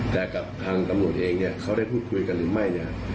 แต่กับทางกำหนดเองเขาได้พูดคุยกันหรือไม่